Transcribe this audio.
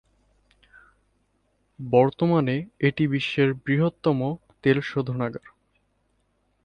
বর্তমানে এটি বিশ্বের বৃহত্তম তেল শোধনাগার।